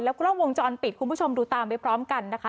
กล้องวงจรปิดคุณผู้ชมดูตามไปพร้อมกันนะคะ